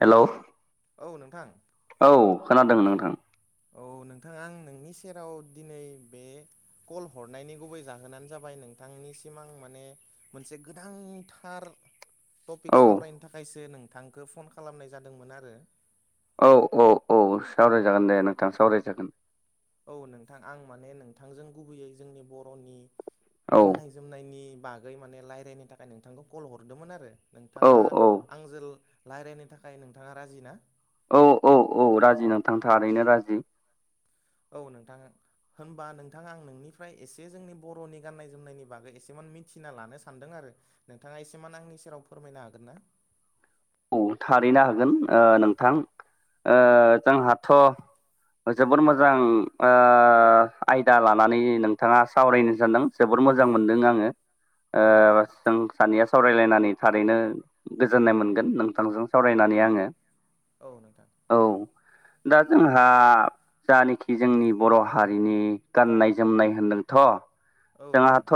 Hello. औ नोंथां। औ खोनादों नोंथां। औ नोंथाङा आं सेराव दिनै बे। कल हरनायनि गुबै जाहोनानो जाबाय नोंथांनिसिम आं माने मोनसे गोनांथार। औ टपिक सावरायनो थाखायसो नोंथांखौ फन खालामनाय जादोंमोन आरो। औ औ सावरायजागोन दे नोंथां सावरायजागोन। औ नोंथां आं माने नोंथांजों गुबैयै जोंनि बर'नि औ गाननाय। जोमनायनि बागै माने रायलायनो थाखाय नोंथांखौ कल हरदोंमोन आरो। औ नोंथाङा औ आंजों रायलायनो थाखाय नोंथाङा राजि ना? औ औ औ राजि नोंथां थारैनो राजि। औ नोंथां। होनबा नोंथाङा आं नोंनिफ्राय एसे जोंनि बर'नि गाननाय जोमनायनि बागै एसेम मिथिना लानो सानदों आरो। नोंथाङा एसेमान आंनि सेराव फोरमायनो हागोन ना? औ थारैनो हागोन ओ नोंथां ओ जोंहाथ'। औ जोबोर नोंथां मोजां। ओ आयदा लानानै नोंथाङा सावरायनो सानदों जोबोर मोजां मोनदों आङो। ओ औ नोंथां जों सानैया सावरायलायनानै थारैनो गोजोननाय मोन नोंथांजों सावरायनानै आङो औ नोंथां। औ दा जोंहा जानोखि जोंनि बर' हारिनि गाननाय जोमनाय होनदों थ' औ नोंथां जोंहाथ'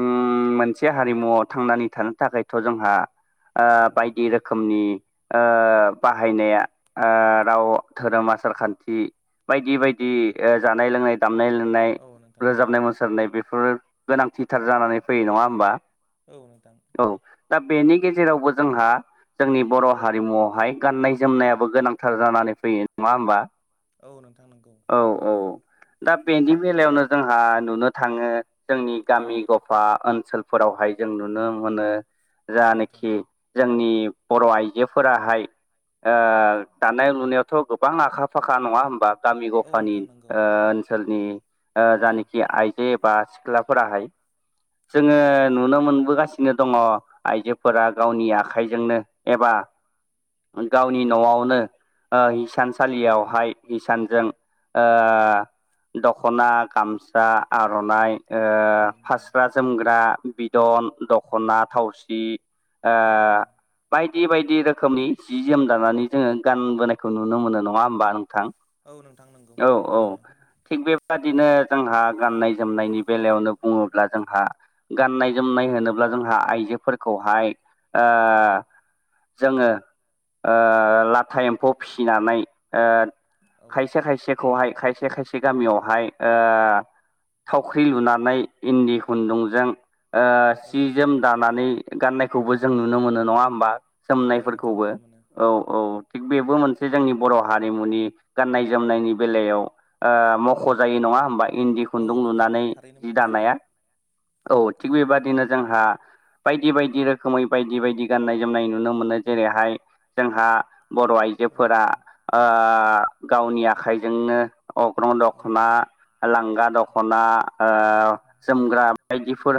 उम मोनसे हारिमुवआव थांनानै थानो थाखायथ' जोंहा ओ औ बाइक नोंथां रोखोमनि ओ बाहायनाया ओ राव धोरोम आसार खान्थि- बायदि बायदि ओ जानाय लोंनाय- दामनाय देनाय औ नोंथां रोजाबनाय मुसुरनाय बेफोरो गोनांथिथार जानानै फैयो नङा होमबा औ नोंथां। औ दा बेनि गेजेरावबो जोंहा- जोंनि बर' हारिमुआवहाय गाननाय जोमनायाबो गोनांथार जानानै फैयो नङा होमबा। औ नोंथां नंगौ। औ औ दा बेनि बेलायावनो जोंहा नुनो थाङो जोंनि औ गामि नोंथां गफा ओनसोलफोरावहाय जों नुनो मोनो औ नोंथां जानोखि जोंनि बर' आइजोफोराहाय ओ दानाय लुनायावथ' गोबां आखा फाखा नङा होमबा गामि औ गफानि नोंथां नंगौ ओ ओनसोलनि ओ नंगौ जानोखि आइ जेबा सिख्लाफोराहाय जोङो औ नंगौ नुनो मोनबोगासिनो दङ' आइजोफोरा गावनि आखाइजोंनो एबा औ गावनि नोंथां न'आवनो ओ हिसानसालियावहाय हिसानजों ओ दख'ना गामसा आर'नाइ ओ औ नोंथां फास्रा जोमग्रा बिदन दख'ना थावसि ओ औ नोंथां बायदि बायदि रोखोमनि जि जोम दानानै जोङो गानबोनायखौ नुनो मोनो नंङा होमबा औ नोंथां नंगौ औ नुनो औ मोनो थिग बे बेबादिनो जोंहा गाननाय जोमनायनि बेलायावनो बुङोब्ला जोंहा गाननाय औ जोमनाय नोंथां होनोब्ला जोंहा आइजोफोरखौहाय ओ औ जोङो ओ लाथा एम्फौ फिसिनानै ओ औ खायसे खायसेखौहाय खायसे खायसे गामियावहाय ओ थावख्रि लुनानै इन्दि खुन्दुंजों ओ औ सि नोंथां जोम दानानै गाननायखौबो जों नुनो मोनो नङा होमबा औ नोंथां जोमनायफोरखौबो नुनो मोनो औ औ थिग बेबो मोनसे जोंनि बर' हारिमुनि गाननाय जोमनायनि बेलायाव ओ मख' जायो नङा होनबाय इन्दि औ खुन्दुं नोंथां लुनानै थारैनो जि मख'जायो दानाया औ थिग बेबायादिनो जोंहा बायदि बायदि रोखोमै बायदि बायदि गान्नाय जोमनाय नुनो मोनो जेरैहाय जोंहा बर' औ आइजोफोरा नोंथां ओ गावनि आखाइजोंनो अग्रं औ दख'ना लांगा दख'ना ओ जोमग्रा औ बायदिफोर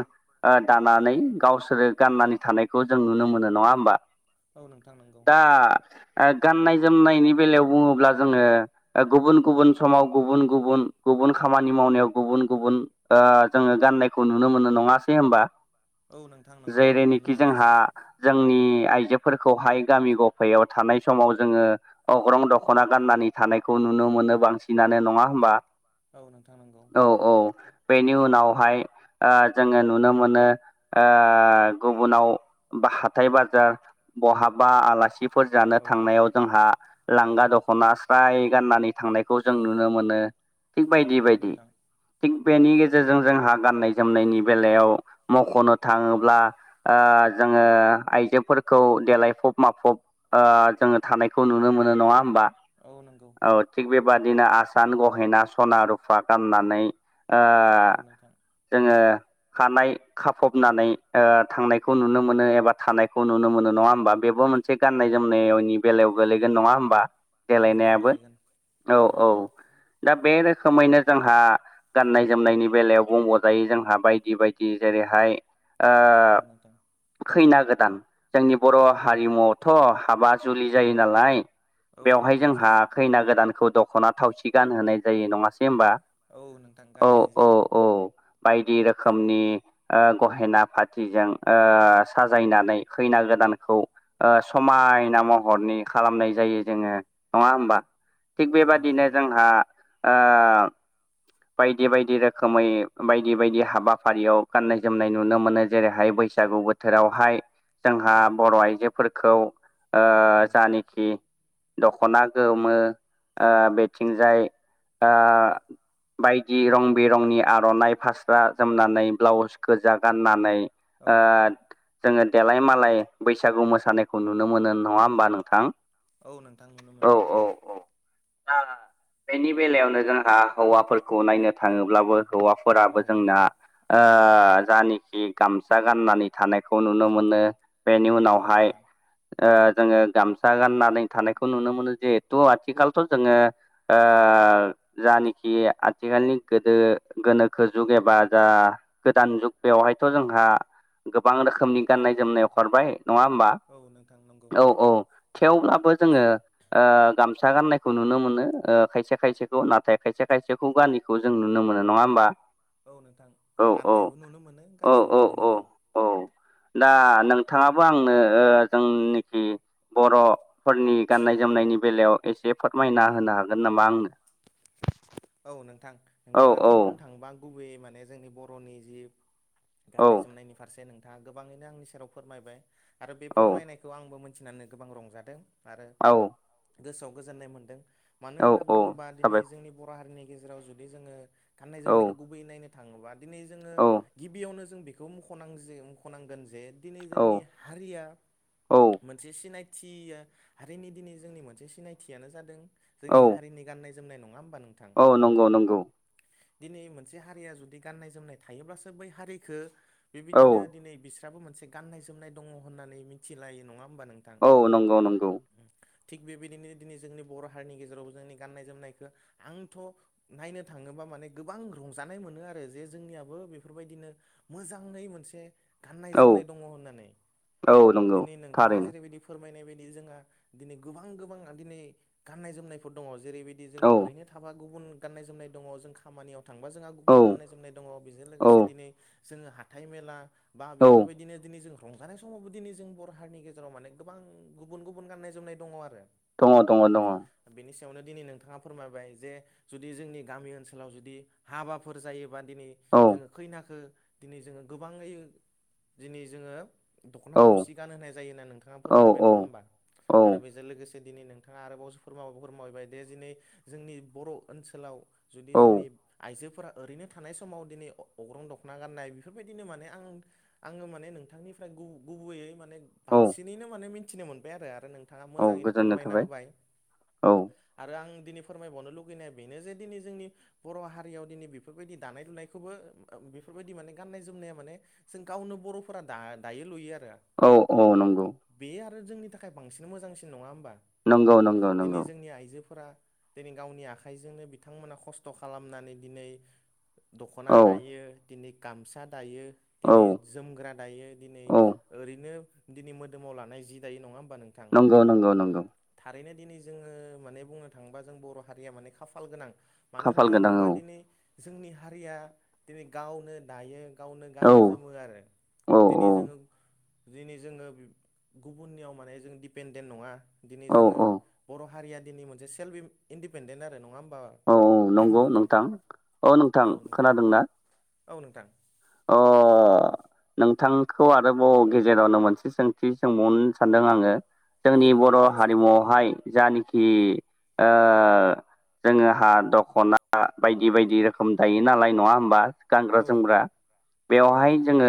दानानै गावसोरो गाननानै थानायखौ जों नुनो मोनो नङा होमबा औ नोंथां नोंगौ दा गाननाय जोमनायनि बेलायाव बुङोब्ला जोङो गुबुन गुबुन समान गुबुन गुबुन गुबुन खामानि मावनायाव गुबुन गुबुन ओ जोङो गाननायखौ नुनो मोनो नङासै होमबा औ नोंथां नंगौ नुनो जेरैनोखि मोनो जोंहा जोङो जोंनि आइजोफोरखौहाय गामि गफायाव थानाय समाव जोङो अग्रं दख'ना गाननानै थानायखौ नुनो मोनो बांसिनानो नङा होमबा औ नोंथां नंगौ औ औ बेनि उनावहाय ओ जोङो नुनो मोनो ओ गुबुनाव बाहा थाइ बाजार बहाबा आलासिफोर जानो औ थांनायाव जोंहा औ लांगा द खना स्राय गाननानै थांनायखौ जों नुनो मोनो थिग औ बायदि नंगौ बायदि नोंथां थिग बेनि गेजेरजों जोंहा गाननाय जोमनायनि बेलायाव मख'नो औ थाङोब्ला ओ जोङो आइजोफोरखौ देलायफब माफब ओ जोङो थानायखौ नुनो मोनो नङा होमबा औ नंगौ औ थिग बेबादिनो आसान गहेना सना रुफा गाननानै ओ औ नोंथां जोङो खानाय खाफबनानै ओ थांनायखौ नुनो मोनो एबा थानायखौ नुनो मोनो नङा होमबा बेबो मोनसे गाननाय जोमनायनि बेलायाव गोलैगोन नङा होमबा औ नोंथां देलायनायाबो गोलैगोन औ गोलैगोन औ दा बे रोखोमैनो जोंहा गाननाय जोमनायनि बेलायाव बुंबावजायै जोंहा बायदि बायदि जेरैहाय ओ औ नोंथां खैना गोदान जोंनि बर' हारिमुआवथ' हाबा जुलि जायो नालाय औ बेवहाय नोंथां जोंहा जायो खैना गोदानखौ दख'ना थावसि गानहोनाय जायो नङासै होमबा औ नोंथां औ गानहोनाय औ जायो। औ बायदि रोखोमनि ओ गहेना फाथिजों ओ साजायना नै खैना गोदानखौ ओ समायना महरनि खालामनाय जायो जोङो नङा होमबा थिग औ नोंथां बेबादिनो नंगौ जोंहा ओ [unintelligible] बायदि बायदि रोखोमै बायदि बायदि हाबाफारियाव गान्नाय जोमनाय नुनो मोनो जेरैहाय बैसागु बो थोरावहाय जोंहा औ बर' नोंथां आइजोफोरखौ ओ औ जानि खि दख'ना गोमो ओ बेथिंजाय ओ बायदि रं बिरंनि आर'नाइ फास्रा जोमनानै ब्लाउस गोजा गाननानै औ ओ नोंथां जोङो देलाय मालाय बैसागु मोसानायखौ नुनो मोनो नङा होमबा नोंथां। औ नोंथां नुनो मोनो। आ बेनि बेलायावनो जोंहा हौवाफोरखौ नायनो थाङोब्लाबो हौवा औ फोराबो जोंना नोंथां ओ जानिखि गामसा गाननानै थानायखौ नु नुनो मोनो बेनि औ उनावहाय नोंथां ओ जोङो गामसा गाननानै थानायखौ नुनो मोनो जिहेथु आथिखालथ' जोङो आ जानिखि आथिखालनि गोदो गोनोखो जुग एबा जा गोदान जुग बेवहायथ' जोंहा गोबां रोखोमनि गाननाय जोमनाय अखारबाय नङा होमबा औ नोंथां नंगौ औ औ थेवब्लाबो जोङो ओ गामसा गाननायखौ नुनो मोनो ओ खायसे खायसेखौ नाथाय खायसे खायसेखौ गानि खौ जों नुनो मोनो नङा होमबा औ नोंथां औ औ गाननायबो नुनो मोनो औ गानैयबो औ नुनो औ मोनो। औ दा नोंथाङाबो आंनो ओ जोंनिखि बर'फोरनि गाननाय जोमनायनि बेलायाव एसे फोरमायना होनो हागोन नामा आंनो औ नोंथां औ नोंथाङाथ' औ बुंनो थाङोबा गुबैयै माने जोंनि बर'नि जि औ गाननाय जोमनायनि फारसे नों नोंथाङा गोबाङैनो आंनि सेराव फोरमायबाय आरो बे औ फोरमायनायखौ आंबो मिथिनानै गोबां रंजादों। आरो औ गोसोआव गोजोननाय मोन्दों मानो औ होनना औ बुङोब्ला दिनै साबायखर जोंनि बर' हारिनि गेजेराव जुदि जोङो गाननाय औ जोमनायखौ गुबै नायनो थाङोबा दिनै जोङो औ गिबियावनो जों बेखौ मखनांज मखनांगोन जे दिनै औ जोंनि हारिया औ मोनसे सिनायथिया हारिनि दिनै जोंनि मोनसे सिनायथियानो जादों औ जोंनि हारिनि गाननाय जोमनाय नङा होमबा नों औ नंगौ नंगौ। दिनै मोनसे हारिया जुदि गाननाय जोमनाय थायोब्लासो बै हारिखो औ बेबायदिनो दिनै बिस्राबो मोनसे गाननाय जोमनाय दङ होननानै मिथिलायो नङा होनोमबा नों औ नंगौ नंगौ। थिग बेबायदिनो दिनै जोंनि बर' हारिनि गेजेराव जोंनि गाननाय जोमनायखौ आंथ' नायनो थाङोबा माने गोबां रंजानाय मोनो आरो जे जोंनियाबो बेफोरबायदिनो मोजाङै मोनसे गाननाय औ जोमनाय दङ होननानै औ नंगौ दिनै नोंथाङा थारैनो जेरैबायदि फोरमायनाय बायदि जोंहा दिनै गोबां गोबां दिनै गाननाय जोमनाय फोर दङ जेरैबायदि जोङो औ ओरैनो थाबा गुबुन गाननाय जोमनाय दङ जों खामानियाव थांबा जोंहा औ गुबुन गाननाय जोमनाय दङ। बेजों औ लोगोसे दिनै जोङो हाथाइ मेला बा औ बेफोरबायदिनो दिनै जों रंजानाय समावबो दिनै जों बर' हारिनि गेजेराव माने गोबां गुबुन गुबुन गाननाय जोमनाय दङ आरो। दङ दङ दङ दङ बेनि सायावनो दिनै नोंथाङा फोरमायबाय जे जुदि जोंनि गामि ओनसोलाव जुदि हाबाफोर जायोबा दिनै औ जोङो खैनाखो दिनै जोङो गोबाङै दिनै जोङो दख'ना औ थावसि गान होनाय जायो होना नोंथाङा औ फोरमायबाय नङा होमबा औ आरो बेजों लोगोसे दिनै नोंथाङा आरोबाव फोरमा फोरमाबायबाय दे दिनै जोंनि बर' ओनसोलाव जुदि जोंनि आइजोफोरा ओरैनो थानाय समाव दिनै अग्रं दखना गाननाय बेफोरबायदिनो माने आं आङो माने नोंथांनिफ्राय गुबैयै माने औ बांसिनैनो मिथिनो आरो नों थाङा औ मोजाङैनो गोजोननाय फोरमायना थाबाय होबाय। औ आरो आं दिनै फोरमायबावनो लुगैनाया बेनो जे दिनै जोंनि बर' हारियाव दिनै बेफोरबायदि दानाय लुनायखौबो बेफोरबायदि माने गाननाय जोमनाया माने जों गावनो बर'फोरा दा दायो लुयो आरो औ-औ नंगौ। बे आरो जोंनि थाखाय बांसिन मोजांसिन नङा होमबा? नंगौ नंगौ। दिनै नंगौ जोंनि आइजोफोरा दिनै गावनि आखाइजोंनो बिथांमोना खस्थ' खालामनानै दिनै दख'ना औ दायो दिनै गामसा दायो औ दिनै जोमग्रा दायो दिनै औ ओरैनो दिनै मोदोमाव लानाय जि दायो नङा होमबा नों नंगौ नांगौ नंगौ नंगौ। थारैनो दिनै जोङो माने बुंनो थाङोबा जों बर' हारिया माने खाफाल गोनां। मानो खाफाल होनना गोनां बुंङोबा औ दिनै जोंनि हारिया दिनै गावनो दायो गावनो औ गानो जोमो आरो औ दिनै जोङो दिनै जोङो गुबुननियाव माने जों दिडपेन्डेन्ट नङा दिनै औ जोङो औ बर' हारिया दिनै मोनसे सेल्फ इन्डिपेनडेन्ट आरो नङा होमबा? औ औ नंगौ नोंथां। औ नोंथां खोनादों ना? औ नोंथां। अ नोंथांखौ आरोबाव गेजेरावनो मोनसे सोंथि सोंबावनो सानदों आङो औ जोंनि बर' नोंथां दे सोंदो हारिमुआवहाय जानखि ओ जोङो हा दख'ना बायदि बायदि रोखोम दायो नालाय नङा होमबा औ गानग्रा नोंथां जोमग्रा औ बेवहाय नोंथां जोङो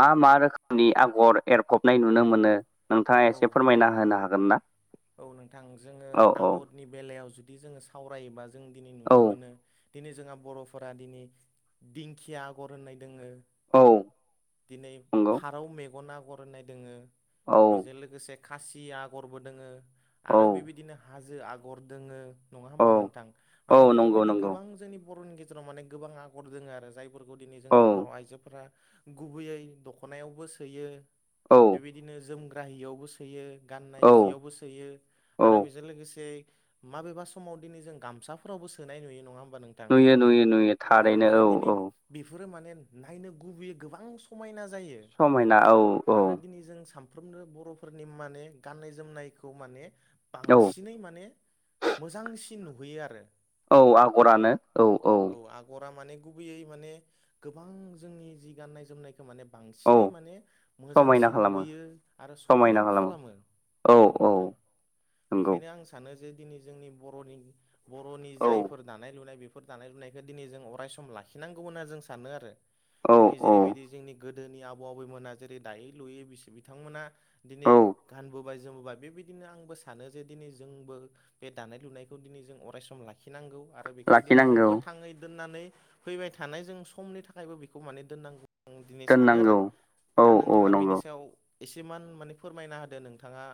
मा मा रोखोमनि आगर एरफबनाय नुनो मोनो नोंथाङा औ एसे फोरमायना होनो हागोन ना औ नोंथां जोङो औ औ आगरनि बेलायाव जुदि जोङो सावरायोबा जों दिनै औ नुनो मोनो। दिनै जोंहा बर'फोरा दिनै दिंखिया आगर होननाय दोङो। औ दिनै नंगौ फारौ मेगन आगर होननाय दङो औ बेजों लोगोसे खासि आगरबो दोङो औ आरो बेबायदिनो हाजो आगर दोङो नङा औ होमबा नोंथां औ माने नंगौ बेफोरबायदि नंगौ गोबां जोंनि बर'नि गेजेराव माने गोबां आगर दोङ आरो जाय फोर दिनै औ जोंनि बर' आइजोफोरा गुबैयै दख'नायावबो सोयो। औ बेबायदिनो जोमग्रा हियावबो सोयो गाननाय औ जियावबो सो सोयो औ आरो बेजों लोगोसे माबेबा समाव दिनै जों गामसाफोरावबो सोनाय नुयो नङा होमबा नों नुयो नुयो नुयो थारैनो औ औ। बेफोरो माने नायनो गुबैयै गोबां समायना जायो। समायना औ औ आरो दिनै जों साम सानफ्रामनो बर'फोरनि माने गाननाय जोमनायखौ माने औ बांसिनै माने मोजांसिन नुहैयो आरो औ आगरानो औ औ आगरा माने गुबैयै माने गोबां जोंनि जि गाननाय जोमनाय माने औ बांसिनै माने समायना मोजांसिन खालामो नुयो आरो समायनाबो खालामो औ नों थां नंगौ बेखायनो आं सानो जे दिनै जोंनि बर'नि औ जायफोर दानाय लुनाय बेफोर दानाय लुनायखौ दिनै जों अरायसम लाखिनांगौ होनना जों सानो आरो औ दिनै औ जेरैबायदि जोंनि गोदोनि आबौ आबैमोना जेरै दायै लुयै बिस बिथांमोनहा। दिनै औ गानबोबाय जोमबोबाय बेबायदि बेदिनो आंबो सानो जे दिनै जोंबो बे दानाय लुनायखौ दिनै जों अरायसम लाखिनांगौ आरो आरो बेखौ दिनै जों लाखिनांगौ फोथाङै दोननानै फैबाय थानाय जों समनि थाखायबो बेखौ माने दोननांगौ। आं दिनै सानो आरो दोननांगौ औ दा औ नोंथाङा बेनि नंगौ सायाव एसेमान माने फोरमायना होदो नोंथाङा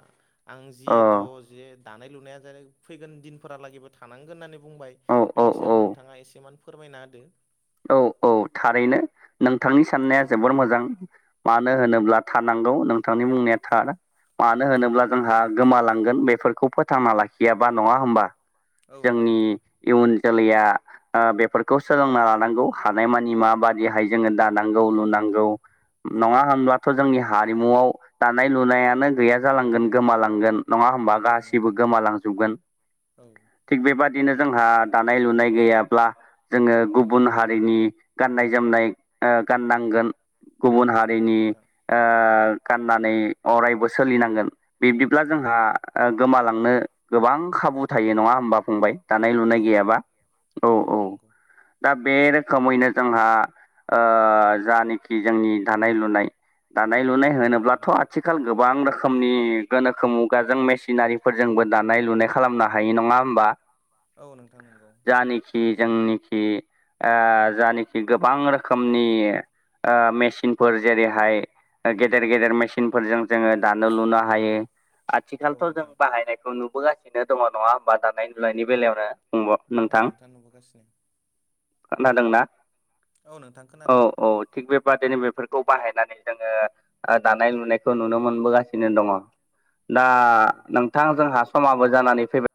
आं औ जिथ' जे दानाय लुनाया जेरै फैगोन दिनफोरालागैबो थानांगोन होननानै बुंबाय औ औ बिनि सायाव औ नोंथाङा एसेमान फोरमायना होदो। औ औ थारैनो नोंथांनि साननाया औ जोबोर नोंथां मोजां। मानो होनोब्ला थानांगौ नोंथांनि बुंनाया थार। मानो होनोब्ला औ जोंहा नोंथां गोमालांगोन बेफोरखौ फोथांना लाखियाबा नङा होमबा। औ नोंथां जोंनि इयुन जोलैया ओ बेफोरखौ सोलोंना हानांगौ हानायमानि माबादिहाय जोङो दानांगौ औ नोंथां लुनांगौ। नङा होनब्लाथ' जोंनि हारिमुआव दानाय लुनायानो गैया जालांगोन गोमालांगोन। नङा होमबा औ गासिबो नोंथां गोमालांजोबगोन। औ थिग बेबादिनो जोंहा दानाय लुनाय गैयाब्ला जोङो औ गुबुन नोंथां हारिनि गाननाय जोमनाय ओ गाननांगोन गुबुन औ हारिनि नोंथां ओ गाननानै अरायबो सोलिनांगोन बिब्दिब्ला औ जोंहा नोंथां ओ गोमालांनो गोबां खाबु थायो नङा होमबा। फंबाय दानाय लुनाय औ गैयाबा औ औ। दा बे रोखोमैनो जोंहा ओ जानखि जोंनि दानाय लुनाय। दानाय लुनाय औ होनोब्लाथ नोंथां आथिख खाल गोबां रोखोमनि गोनोखो मुगाजों मेसिनारिफोरजोंबो दानाय लुनाय खालामना। हायो नङा होमबा? औ नोंथां नंगौ। जानिखि जोंनिखि ओ जानिखि गोबां रोखोमनि ओ मेसिनफोर जेरैहाय ओ गेदेर गेदेर मेसिनफोरजों जोङो दानो लुनो हायो। औ आथिखालथ' जों नोंथां बाहायनायखौ नुबोगासिनो दङ नङा होमबा दानाय लुनायनि बेलायावनो। औ नोंथां नुबोगासिनो। खोनादोंना औ नोंथां औ खोनादों औ। थिग बेबादिनो बेफोरखौ बाहायनानै जोङो ओ दानाय लुनायखौ नुनो मोनबोगासिनो दङ'। दा नोंथां जोंहा समाबो जानानै फैबाय।